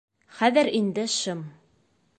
Хәҙер инде шым.